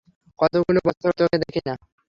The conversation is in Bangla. কতগুলো বছর তোকে দেখি না!